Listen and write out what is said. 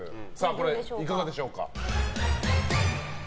これ、いかがでしょうか。